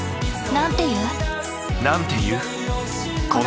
なんて言う？